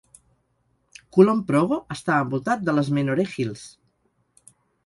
Kulon Progo està envoltat de les Menoreh Hills.